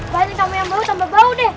bagi kamu yang baru tambah bau deh